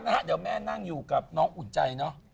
นะฮะเดี๋ยวแม่นั่งอยู่กับน้องอุ่นใจเนอะ